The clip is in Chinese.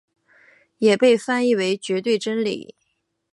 也被翻译为绝对真理。